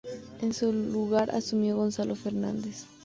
En su lugar asumió Gonzalo Fernández.